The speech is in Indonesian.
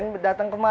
nggak ada yang nanya